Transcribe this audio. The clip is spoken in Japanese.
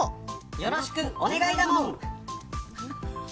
よろしくお願いだもん。